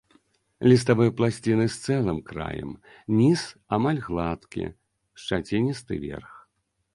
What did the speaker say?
Ліставыя пласціны з цэлым краем, ніз амаль гладкі, шчаціністы верх.